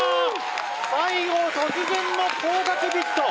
最後、突然の高額ビット。